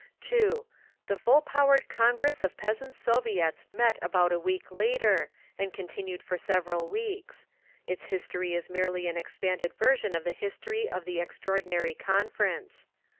The full powered Congress of Peasants' Soviets met about a week later, and continued for several weeks. Its history is merely an expanded version of the history of the "Extraordinary Conference."